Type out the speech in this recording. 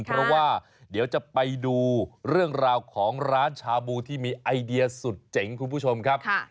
เพราะว่าเดี๋ยวจะไปดูเรื่องราวของร้านชาบูที่มีไอเดียสุดเจ๋งคุณผู้ชมครับ